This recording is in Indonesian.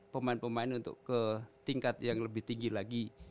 pemain pemain untuk ke tingkat yang lebih tinggi lagi